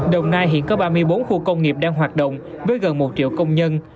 đồng nai hiện có ba mươi bốn khu công nghiệp đang hoạt động với gần một triệu công nhân